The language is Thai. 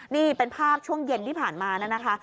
นี่เป็นภาพช่วงเย็นที่ผ่านมานะคะ